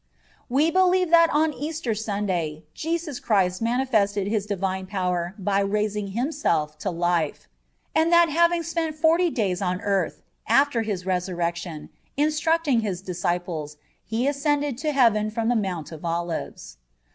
We believe that on Easter Sunday Jesus Christ manifested His divine power by raising Himself to life, and that having spent forty days on earth, after His resurrection, instructing His disciples, He ascended to heaven from the Mount of Olives.